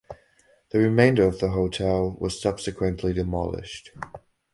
The remainder of the hotel was subsequently demolished.